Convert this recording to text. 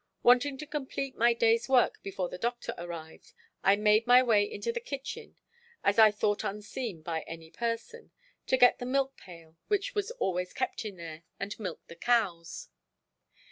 Wanting to complete my day's work before the Doctor arrived I made my way into the kitchen, as I thought unseen by any person, to get the milk pail which was always kept in there, and milk the cows.